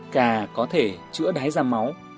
cà có thể chữa đáy ra máu